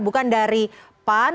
bukan dari pan